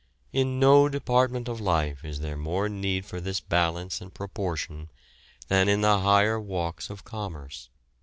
In no department of life is there more need for this balance and proportion than in the higher walks of commerce.